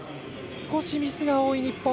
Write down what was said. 少し、ミスが多い日本。